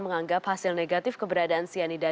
menganggap hasil negatif keberadaan cyanida